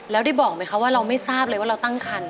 แล้วได้บอกไหมคะว่าเราไม่ทราบเลยว่าเราตั้งคัน